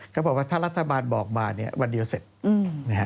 เขาบอกว่าถ้ารัฐบาลบอกมาเนี่ยวันเดียวเสร็จนะฮะ